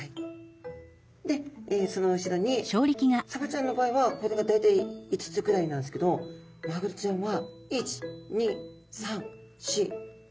でその後ろにサバちゃんの場合はこれが大体５つくらいなんですけどマグロちゃんは１２３４５６７８９！